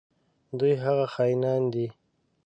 دوی هغه خاینان دي.